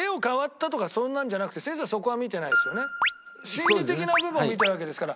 心理的な部分を見てるわけですから。